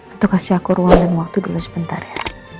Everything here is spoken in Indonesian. atau kasih aku ruang dan waktu dulu sebentar ya